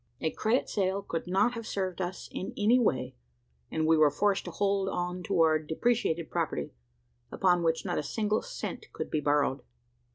A credit sale could not have served us in any way; and we were forced to hold on to our depreciated property upon which not a single cent could be borrowed.